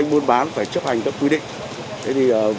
như mua lương thực thực phẩm thuốc men cấp cứu khám chữa bệnh tiêm chủng